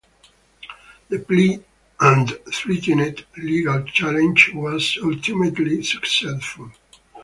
The plea and threatened legal challenge was ultimately successful.